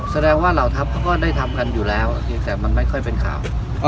แสดงว่าเหล่าทัพเขาก็ได้ทำกันอยู่แล้วเพียงแต่มันไม่ค่อยเป็นข่าว